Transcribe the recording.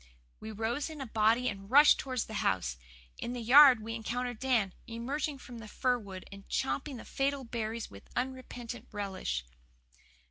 We rose in a body and rushed towards the house. In the yard we encountered Dan, emerging from the fir wood and champing the fatal berries with unrepentant relish.